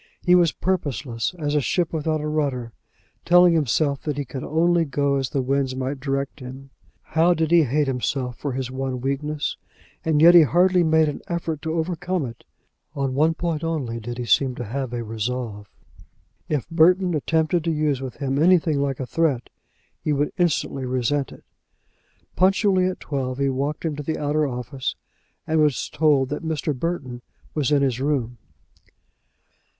He was purposeless, as a ship without a rudder, telling himself that he could only go as the winds might direct him. How he did hate himself for his one weakness! And yet he hardly made an effort to overcome it. On one point only did he seem to have a resolve. If Burton attempted to use with him anything like a threat he would instantly resent it. Punctually at twelve he walked into the outer office, and was told that Mr. Burton was in his room.